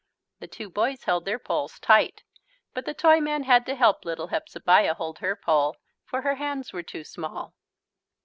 The two boys held their poles tight but the Toyman had to help little Hepzebiah hold her pole, for her hands were too small.